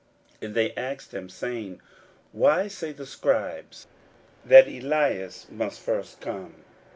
41:009:011 And they asked him, saying, Why say the scribes that Elias must first come?